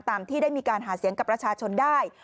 ที่ได้มีการหาเสียงกับประชาชนได้